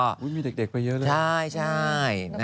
มีเด็กไปเยอะเลยใช่